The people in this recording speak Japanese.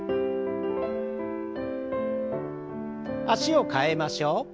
脚を替えましょう。